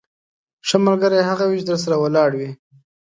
ښه ملګری هغه وي چې درسره ولاړ وي.